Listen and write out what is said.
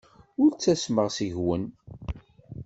Ur ttasmeɣ seg-wen.